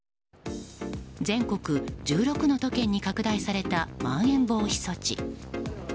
全国１６の都県に拡大されたまん延防止措置。